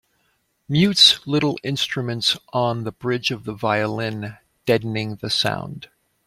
Mutes little instruments on the bridge of the violin, deadening the sound.